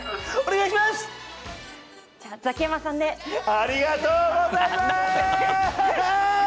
ありがとうございます！